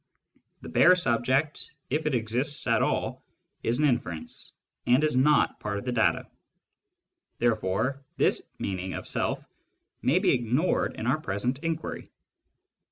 The bare subject, if it exists at all, is an inference, and is not part of the data ; therefore this meaning of Self may be ignored in our present inquiry.